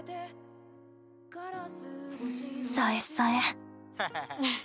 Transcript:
さえっさえ！